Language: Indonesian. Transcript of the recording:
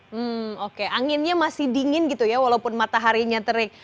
hmm oke anginnya masih dingin gitu ya walaupun mataharinya terik